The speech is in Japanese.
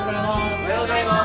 おはようございます。